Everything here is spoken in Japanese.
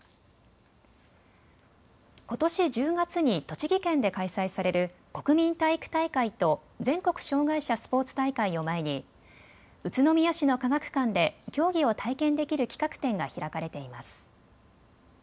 ことし１０月に栃木県で開催される国民体育大会と全国障害者スポーツ大会を前に宇都宮市の科学館で競技を体験できる企画展が開かれています。